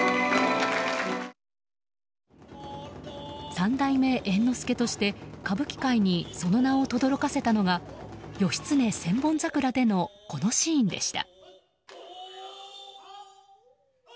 三代目猿之助として歌舞伎界にその名を轟かせたのが「義経千本桜」でのこのシーンでした。